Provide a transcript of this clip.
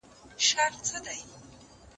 سياست پوهنه د ټولنې په پرمختګ کي رول لري.